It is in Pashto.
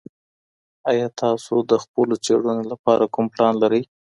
ایا تاسو د خپلو څېړنو لپاره کوم پلان لرئ؟